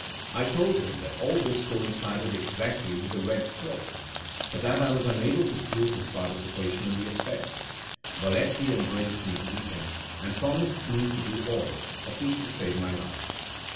I told him that all this coincided exactly with the "red cloak," but that I was unable to prove his participation in the affair. Valetti embraced me weeping, and promised me to do all, at least to save my life.